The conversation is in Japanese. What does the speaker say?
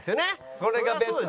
それがベスト。